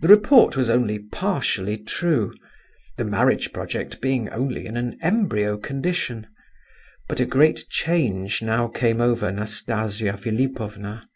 The report was only partially true, the marriage project being only in an embryo condition; but a great change now came over Nastasia Philipovna.